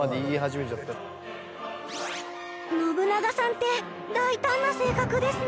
信長さんって大胆な性格ですね！